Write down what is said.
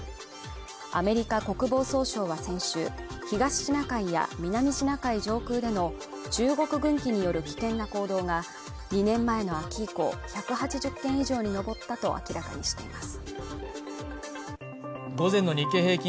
アメリカ国防総省は先週東シナ海や南シナ海上空での中国軍機による危険な行動が２年前の秋以降１８０件以上に上ったと明らかにしています